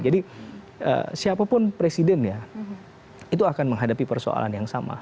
jadi siapapun presiden ya itu akan menghadapi persoalan yang sama